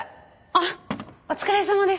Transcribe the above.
あっお疲れさまです！